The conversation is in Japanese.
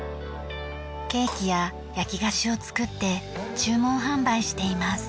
ケーキや焼き菓子を作って注文販売しています。